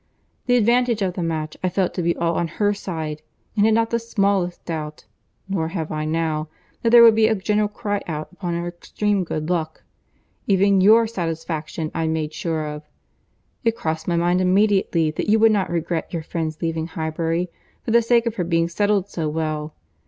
The advantage of the match I felt to be all on her side; and had not the smallest doubt (nor have I now) that there would be a general cry out upon her extreme good luck. Even your satisfaction I made sure of. It crossed my mind immediately that you would not regret your friend's leaving Highbury, for the sake of her being settled so well.